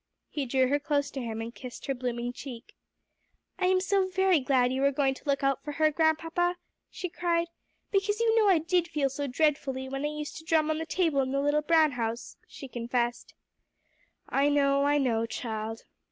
He drew her close to him, and kissed her blooming cheek. "I am so very glad you are going to look out for her, Grandpapa," she cried, "because you know I did feel so dreadfully when I used to drum on the table in the little brown house," she confessed. "I know I know, child."